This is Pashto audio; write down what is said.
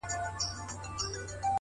په مټي چي وكړه ژړا پر ځـنـگانــه،